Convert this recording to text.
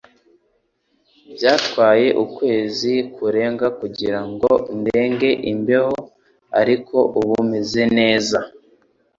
Byatwaye ukwezi kurenga kugira ngo ndenge imbeho ariko ubu meze neza